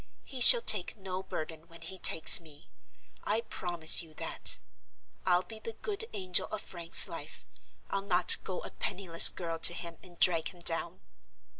He shall take no burden, when he takes me; I promise you that! I'll be the good angel of Frank's life; I'll not go a penniless girl to him, and drag him down."